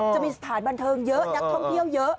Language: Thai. สถานบันเทิงเยอะนักท่องเที่ยวเยอะ